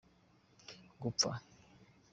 gupfa.